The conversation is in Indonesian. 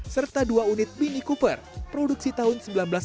serta dua unit mini cooper produksi tahun seribu sembilan ratus sembilan puluh